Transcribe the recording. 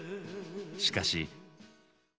しかし。